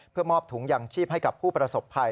เพื่อมอบถุงยางชีพให้กับผู้ประสบภัย